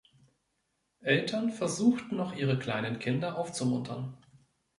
Eltern versuchten noch ihre kleinen Kinder aufzumuntern.